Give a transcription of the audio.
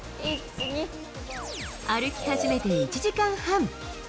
歩き始めて１時間半。